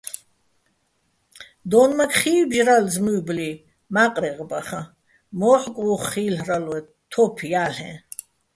დო́ნმაქ ხი́ბჟრალო ძმუჲბლი მა́ყრეღ ბახაჼ, მოჰ̦კ უ̂ხ ხილ'რალო̆, თოფ ჲა́ლ'ეჼ.